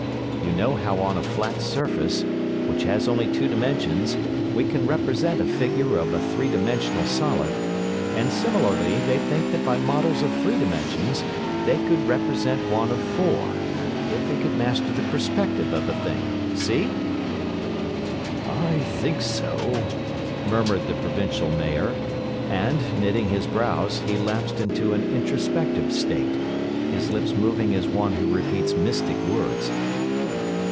You know how on a flat surface, which has only two dimensions, we can represent a figure of a three dimensional solid, and similarly they think that by models of three dimensions they could represent one of four—if they could master the perspective of the thing. See?" "I think so," murmured the Provincial Mayor; and, knitting his brows, he lapsed into an introspective state, his lips moving as one who repeats mystic words.